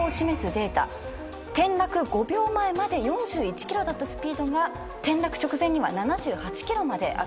転落５秒前まで４１キロだったスピードが転落直前には７８キロまで上がっていたと。